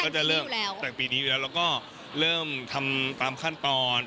แต่ปีนี้อยู่แล้วเราก็เริ่มทำตามขั้นตอน